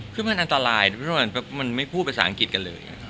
คือมันอันตรายมันไม่พูดภาษาอังกฤษกันเลย